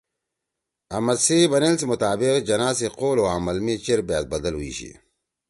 احمد سی بنیل سی مطابق جناح سی قول او عمل می چیر بأت بدَل ہُوئی شی